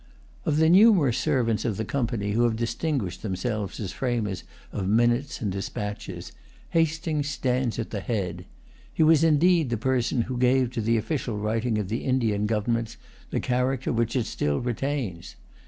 Of the numerous servants of the Company who have distinguished themselves as framers of minutes and dispatches, Hastings stands at the head. He was indeed the person who gave to the official writing of the Indian governments the character which it still retains.